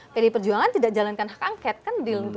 pdi perjuangan tidak jalankan hak angket kan deal